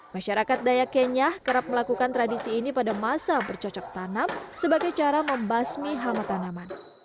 masyarakat dayak kenya kerap melakukan tradisi ini pada masa bercocok tanam sebagai cara membasmi hama tanaman